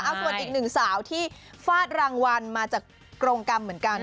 เอาส่วนอีกหนึ่งสาวที่ฟาดรางวัลมาจากกรงกรรมเหมือนกัน